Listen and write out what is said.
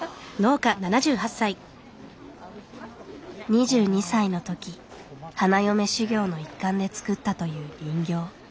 ２２歳のとき花嫁修業の一環で作ったという人形。